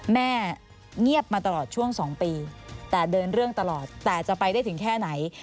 แม่เงียบมาตลอดช่วง๒ปีแต่เดินเรื่องตลอดแต่จะไปได้ถึงแค่ไหน